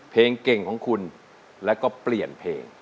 เพลงเก่งของคุณแล้วก็เปลี่ยนเพลง